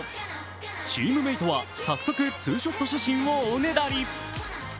チームメートは早速ツーショット社員をおねだり。